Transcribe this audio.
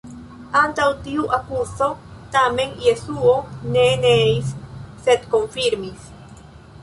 Antaŭ tiu akuzo, tamen, Jesuo ne neis, sed konfirmis.